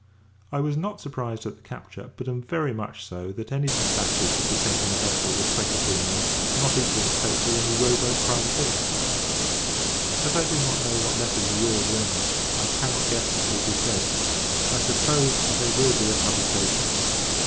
I am not surprised at the capture; but am very much so, that any dispatches should be sent in a vessel with twenty three men, not equal to cope with any row boat privateer. As I do not know what letters of your's are in her, I cannot guess what will be said. I suppose, there will be a publication.